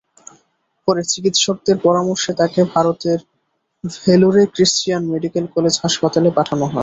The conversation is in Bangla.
পরে চিকিৎসকদের পরামর্শে তাঁকে ভারতের ভেলোরে ক্রিশ্চিয়ান মেডিকেল কলেজ হাসপাতালে পাঠানো হয়।